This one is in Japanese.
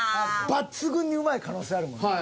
抜群にうまい可能性あるもんね。